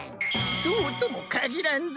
そうとも限らんぞ。